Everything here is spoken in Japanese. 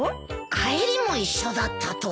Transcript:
帰りも一緒だったとは。